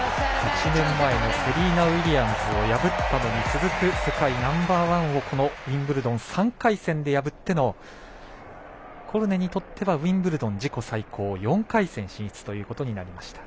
１年前のセリーナ・ウィリアムズを破ったのに続く世界ナンバーワンをこのウィンブルドン３回戦で破ってのコルネにとってはウィンブルドン自己最高、４回戦進出ということになりました。